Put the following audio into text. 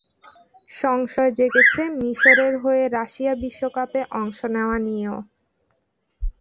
সংশয় জেগেছে মিসরের হয়ে রাশিয়া বিশ্বকাপে অংশ নেওয়া নিয়েও।